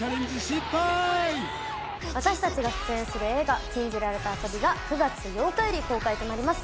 失敗私たちが出演する映画「禁じられた遊び」が９月８日より公開となります